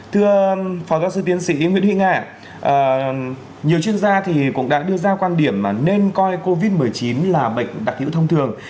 thưa phó giáo sư tiến sĩ nguyễn huy ngạn nhiều chuyên gia thì cũng đã đưa ra quan điểm mà nên coi covid một mươi chín là bệnh đặc hữu thông thường